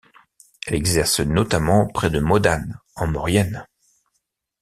Elle exerce notamment près de Modane, en Maurienne.